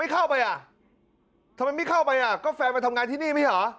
ทำไมมาเอาไม่เข้าไปก็แฟนมาทำงานที่นี่